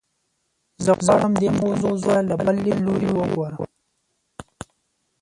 زه غواړم دې موضوع ته له بل لیدلوري وګورم.